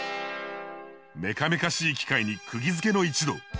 メカメカしい機械にくぎづけの一同。